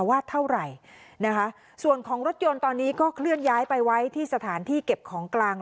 ว่าเท่าไหร่นะคะส่วนของรถยนต์ตอนนี้ก็เคลื่อนย้ายไปไว้ที่สถานที่เก็บของกลาง